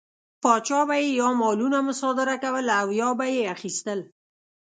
پاچا به یې یا مالونه مصادره کول او یا به یې اخیستل.